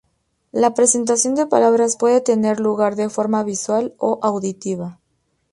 La presentación de palabras puede tener lugar de forma visual o auditiva.